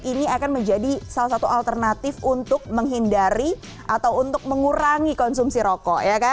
ini akan menjadi salah satu alternatif untuk menghindari atau untuk mengurangi konsumsi rokok